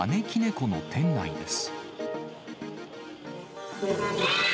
この店内です。